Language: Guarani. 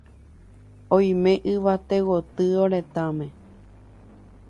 Oime yvate gotyo retãme.